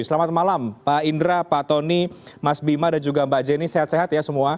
selamat malam pak indra pak tony mas bima dan juga mbak jenny sehat sehat ya semua